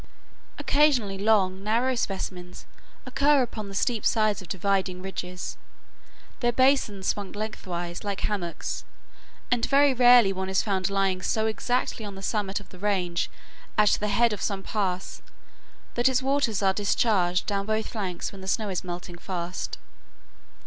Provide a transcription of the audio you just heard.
Occasionally long, narrow specimens occur upon the steep sides of dividing ridges, their basins swung lengthwise like hammocks, and very rarely one is found lying so exactly on the summit of the range at the head of some pass that its waters are discharged down both flanks when the snow is melting fast.